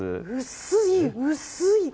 薄い薄い！